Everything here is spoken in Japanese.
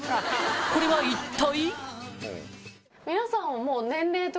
これは一体？